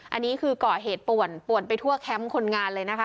อันนี้คือก่อเหตุป่วนป่วนไปทั่วแคมป์คนงานเลยนะคะ